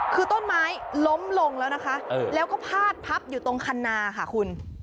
คือต้นไม้ล้มลงแล้วนะคะแล้วก็พาดพับอยู่ตรงคันนาค่ะคุณ